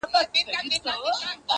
تا کاسه خپله وهلې ده په لته -